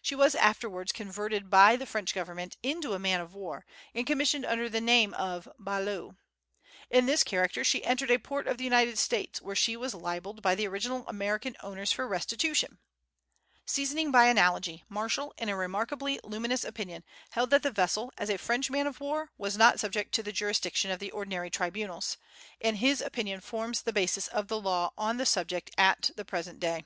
She was afterwards converted by the French government into a man of war, and commissioned under the name of the "Balaou." In this character she entered a port of the United States, where she was libelled by the original American owners for restitution. Seasoning by analogy, Marshall, in a remarkably luminous opinion, held that the vessel, as a French man of war, was not subject to the jurisdiction of the ordinary tribunals; and his opinion forms the basis of the law on the subject at the present day.